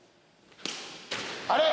あれ？